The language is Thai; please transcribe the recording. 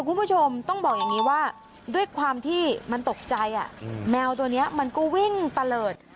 คุณผู้ชมต้องบอกอย่างนี้ว่าด้วยความที่มันตกใจแมวตัวนี้มันก็วิ่งตะเลิศ